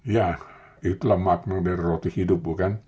ya itulah makna dari roti hidup bukan